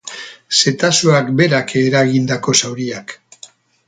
Zetazeoak berak eragindako zauriak.